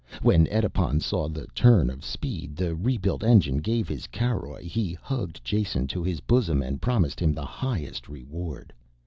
When Edipon saw the turn of speed the rebuilt engine gave his caroj he hugged Jason to his bosom and promised him the highest reward.